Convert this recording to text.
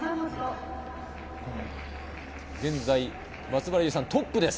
現在、松原さんトップです。